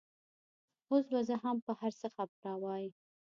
اوس به زه هم په هر څه خبره وای.